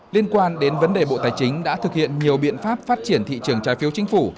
liên quan đến vấn đề bộ tài chính đã thực hiện nhiều biện pháp phát triển thị trường trái phiếu chính phủ